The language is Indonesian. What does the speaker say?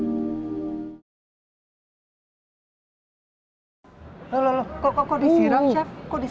loh loh loh kok disiram chef kok disiram